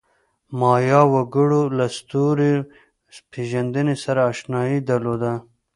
د مایا وګړو له ستوري پېژندنې سره آشنایي درلوده.